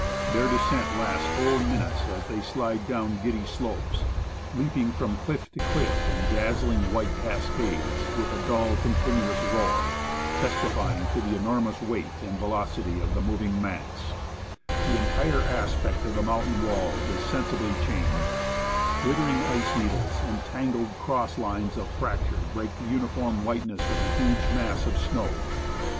Their descent lasts whole minutes as they slide down giddy slopes, leaping from cliff to cliff in dazzling white cascades, with a dull, continuous roar, testifying to the enormous weight and velocity of the moving mass. The entire aspect of the mountain walls is sensibly changed ; glittering 137 MOUNT ST. ELIAS, AND SERACS OF THE NEWTON. THE ASCENT OF MOUNT ST. ELIAS ice needles, and tangled cross lines of fracture break the uni form whiteness of the huge mass of snow.